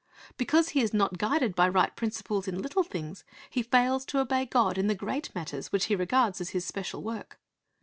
Because he is not guided by right principles in little things, he fails to obey God in the great matters which he regards as his special work.